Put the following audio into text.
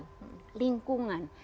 itu adalah lingkungan